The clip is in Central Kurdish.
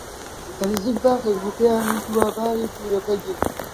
لە نزیک باخێک بووە پێیان وتووە باخی پوورە بەگی